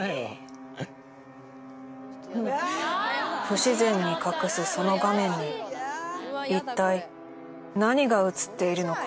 不自然に隠すその画面に一体何が映っているのか？